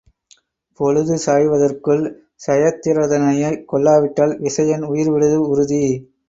பொழுது சாய்வதற்குள் சயத்திரதனைக் கொல்லாவிட்டால் விசயன் உயிர் விடுவது உறுதி.